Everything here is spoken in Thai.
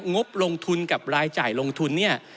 งบลงทุนกับรายจ่ายลงทุนเนี่ย